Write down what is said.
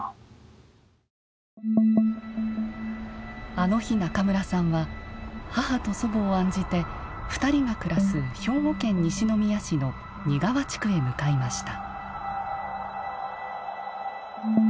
あの日、中村さんは母と祖母を案じて２人が暮らす兵庫県西宮市の仁川地区へ向かいました。